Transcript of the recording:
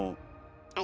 はい。